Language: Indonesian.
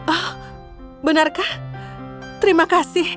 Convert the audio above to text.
oh benarkah terima kasih